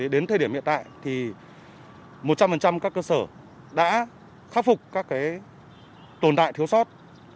đến thời điểm hiện tại thì một trăm linh các cơ sở đã khắc phục các tồn tại thiếu sót